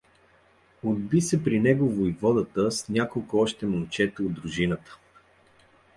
Отбил се при него войводата с няколко още момчета от дружината.